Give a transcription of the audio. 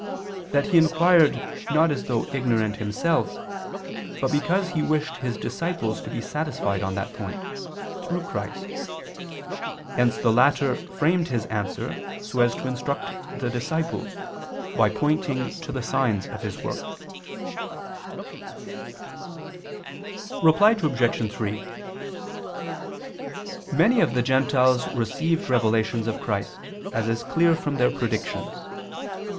that he inquired, not as though ignorant himself, but because he wished his disciples to be satisfied on that point, through Christ: hence the latter framed His answer so as to instruct the disciples, by pointing to the signs of His works. Reply Obj. 3: Many of the gentiles received revelations of Christ, as is clear from their predictions.